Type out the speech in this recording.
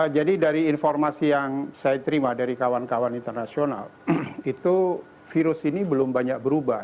jadi dari informasi yang saya terima dari kawan kawan internasional itu virus ini belum banyak berubah